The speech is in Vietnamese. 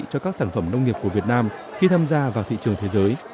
cho các sản phẩm nông nghiệp của việt nam khi tham gia vào thị trường thế giới